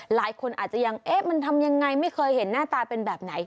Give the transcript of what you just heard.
หลายคนอาจจะยังเอ๊ะมันทำยังไงไม่เคยเห็นหน้าตาเป็นแบบไหน